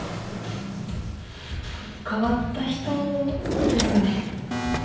変わった人ですね。